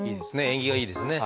縁起がいいですね。